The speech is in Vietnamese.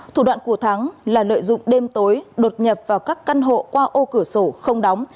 thủ đoạn của thắng là lợi dụng đêm tối đột nhập vào các căn hộ qua ô cửa sổ không đóng